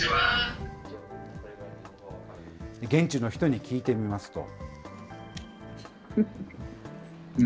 現地の人に聞いてみますと。